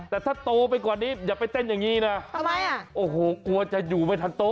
แต่ถ้าโตไปกว่านี้อย่าไปเต้นอย่างนี้นะทำไมอ่ะโอ้โหกลัวจะอยู่ไม่ทันโต๊